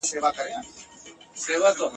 کتاب په څنګ دی